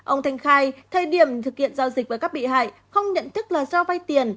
ông thanh khai thời điểm thực hiện giao dịch với các bị hại không nhận thức là do vay tiền